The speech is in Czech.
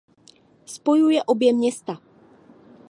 Spojuje obě dvě města.